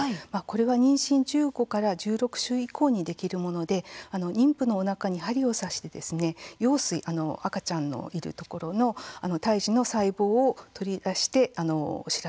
これは、妊娠１５１６週以降にできるもので妊婦のおなかに針を刺して羊水、赤ちゃんのいるところの胎児の細胞を取り出して調べます。